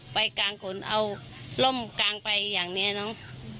ไปกลางขนเอาร่มกลางไปอย่างนี้เนอะ